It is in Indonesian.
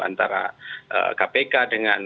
antara kpk dengan